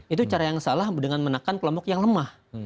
itu cara yang salah dengan menekan kelompok yang lemah